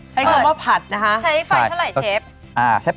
ใช้คำว่าผัดนะคะใช้ไฟเท่าไหร่เชฟ